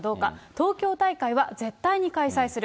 東京大会は絶対に開催する。